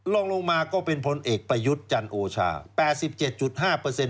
ลองลงมาก็เป็นพลเอกประยุทธ์จันโอชา๘๗๕เปอร์เซ็นต